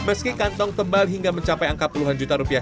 meski kantong tebal hingga mencapai angka puluhan juta rupiah